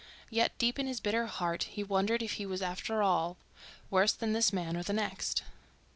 Yet, deep in his bitter heart, he wondered if he was after all worse than this man or the next.